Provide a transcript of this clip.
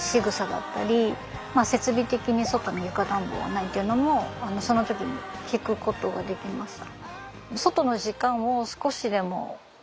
まあ設備的に外に床暖房はないっていうのもその時に聞くことができました。